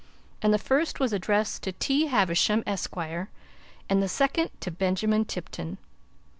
And the first was addressed to T. Havisham, Esq., and the second to Benjamin Tipton.